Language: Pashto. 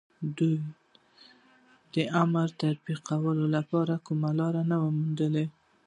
دوی د امر د تطبيقولو لپاره کومه لاره نه وه موندلې.